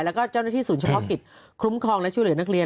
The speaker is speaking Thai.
แล้วก็เจ้าหน้าที่ศูนย์เฉพาะกิจคุ้มครองและช่วยเหลือนักเรียน